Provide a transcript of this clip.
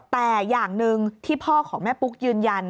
แต่อย่างหนึ่งที่พ่อของแม่ปุ๊กยืนยัน